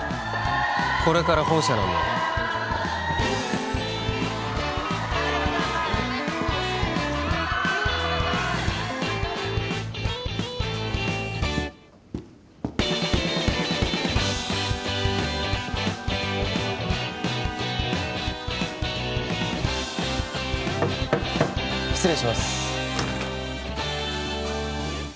これから本社なんだ失礼します